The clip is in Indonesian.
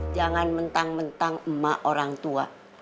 jangan mentang mentang emak orang tua